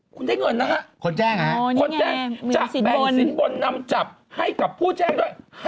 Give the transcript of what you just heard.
คุณแจ้งเงินนะครับคนแจ้งนะครับคนแจ้งจับแบ่งสินบนนำจับให้กับผู้แจ้งด้วย๕๐